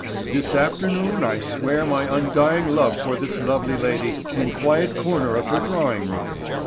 "This afternoon I swear my undying love for this lovely lady in quiet corner of her drawing room.